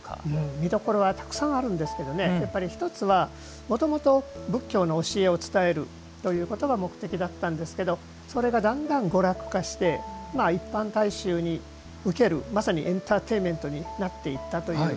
見どころはたくさんあるんですけどやっぱり一つはもともと仏教の教えを伝えるということが目的だったんですけどそれがだんだん娯楽化して一般大衆に受けるまさにエンターテインメントになっていったという。